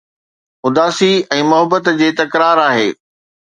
اداسي ۽ محبت جي تڪرار آهي